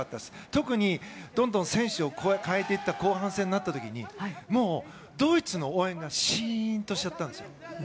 特にどんどん選手を代えていった後半戦になった時にもうドイツの応援がシーンとしちゃったんです。